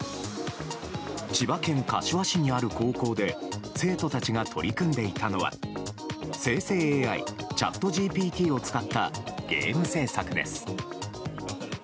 千葉県柏市にある高校で生徒たちが取り組んでいたのは生成ＡＩＣｈａｔＧＰＴを使ったゲーム制作です。